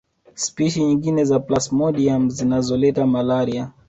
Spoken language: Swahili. Spishi nyingine za plasmodium zinazoleta malaria